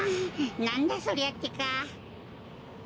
なんだそりゃってか。